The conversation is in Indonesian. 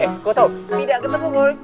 eh kau tau tidak ketemu ngoi